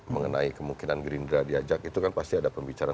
mengenai kemungkinan gerindra diajak itu kan pasti ada pembicaraan